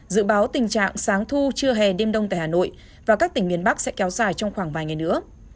dự báo tình trạng sáng thu trưa hè đêm đông tại hà nội và các tỉnh miền bắc sẽ kéo dài trong khoảng vài ngày nữa